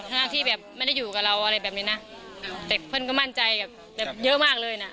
ทั้งที่แบบไม่ได้อยู่กับเราอะไรแบบนี้นะแต่เพื่อนก็มั่นใจแบบเยอะมากเลยน่ะ